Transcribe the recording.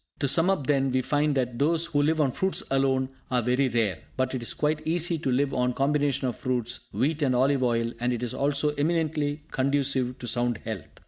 To sum up, then, we find that those who live on fruits alone are very rare, but it is quite easy to live on a combination of fruits, wheat and olive oil, and it is also eminently conducive to sound health.